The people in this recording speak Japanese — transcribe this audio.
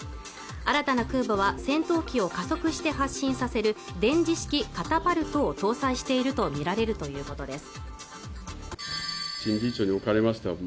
新たな空母は戦闘機を加速して発進させる電磁式カタパルトを搭載していると見られるということです